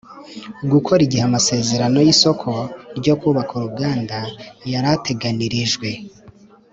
Gukora igihe amasezerano y isoko ryo kubaka uruganda yari ateganirijwe